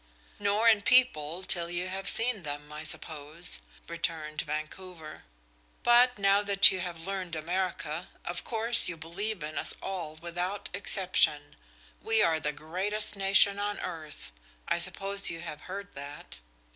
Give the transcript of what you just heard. "Nor in people till you have seen them, I suppose," returned Vancouver. "But now that you have learned America, of course you believe in us all without exception. We are the greatest nation on earth I suppose you have heard that?"